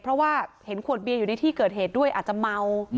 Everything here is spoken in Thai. เพราะว่าเห็นขวดเบียร์อยู่ในที่เกิดเหตุด้วยอาจจะเมา